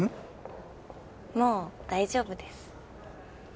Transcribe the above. もう大丈夫です。